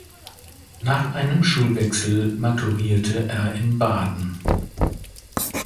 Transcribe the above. Nach einem Schulwechsel maturierte er in Baden.